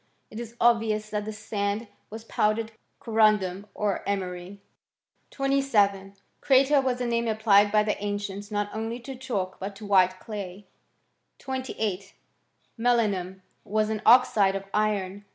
It is obvious that this sand was powdered corundum, or emery. 27. Creta was a name applied by the ancients not only to chalk, but to white clay. 28. Melinum was an oxide of iron.